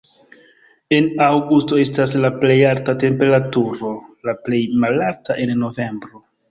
En aŭgusto estas la plej alta temperaturo, la plej malalta en novembro.